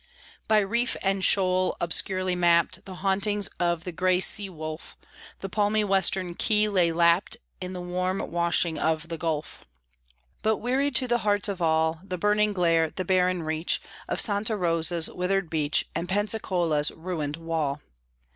By reef and shoal obscurely mapped, The hauntings of the gray sea wolf, The palmy Western Key lay lapped In the warm washing of the Gulf. But weary to the hearts of all The burning glare, the barren reach Of Santa Rosa's withered beach, And Pensacola's ruined wall.